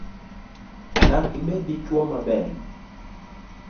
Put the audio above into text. Dak ibed dichuo maber?